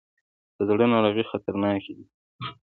د زړه ناروغۍ خطرناکې دي.